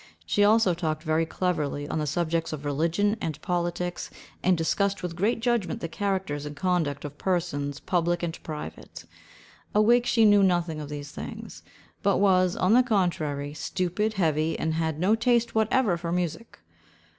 She also talked very cleverly on the subjects of religion and politics, and discussed with great judgment the characters and conduct of persons, public and private. Awake, she knew nothing of these things; but was, on the contrary, stupid, heavy, and had no taste whatever for music.